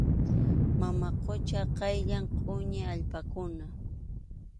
Mama qucha qaylla qʼuñi allpakuna.